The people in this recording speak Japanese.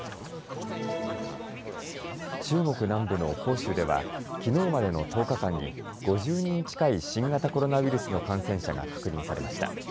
中国南部の広州では、きのうまでの１０日間に５０人近い新型コロナウイルスの感染者が確認されました。